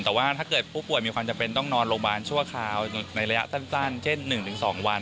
แต่ว่าถ้าเกิดผู้ป่วยมีความจำเป็นต้องนอนโรงพยาบาลชั่วคราวในระยะสั้นเช่น๑๒วัน